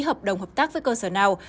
hợp đồng hợp tác với cơ sở nào